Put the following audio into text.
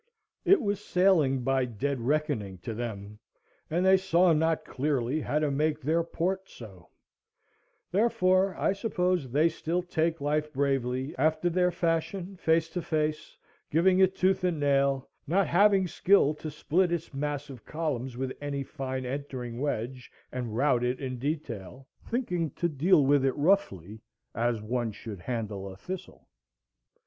It was sailing by dead reckoning to them, and they saw not clearly how to make their port so; therefore I suppose they still take life bravely, after their fashion, face to face, giving it tooth and nail, not having skill to split its massive columns with any fine entering wedge, and rout it in detail;—thinking to deal with it roughly, as one should handle a thistle.